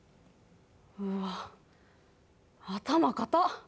うわっ、頭かたっ！